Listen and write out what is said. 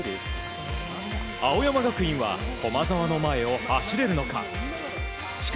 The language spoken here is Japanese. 青山学院は駒澤の前を走れるのか。